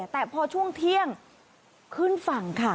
แต่พอช่วงเที่ยงขึ้นฝั่งค่ะ